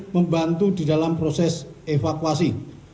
membantu di dalam proses evakuasi